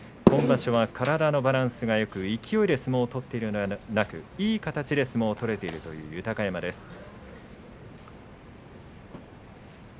今場所は体のバランスがよく勢いで相撲を取っているのではなく、いい形で相撲が取れているという豊山です。